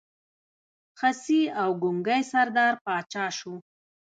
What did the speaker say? خصي او ګونګی سردار پاچا کوي.